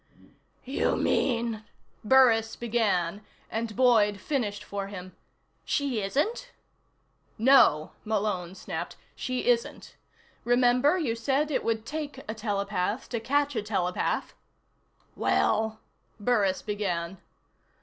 "You mean " Burris began, and Boyd finished for him: " she isn't?" "No," Malone snapped. "She isn't. Remember, you said it would take a telepath to catch a telepath?" "Well " Burris began.